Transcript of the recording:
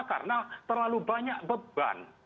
karena terlalu banyak beban